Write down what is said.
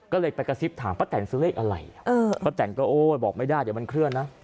ก็เลยไปกระซิบถามป้าแตนซื้อเลขอะไรป้าแตนก็โอ้ยบอกไม่ได้เดี๋ยวมันเคลื่อนนะ